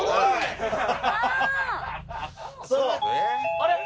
あれ？